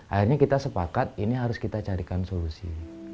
akhirnya kita sepakat ini harus kita carikan solusi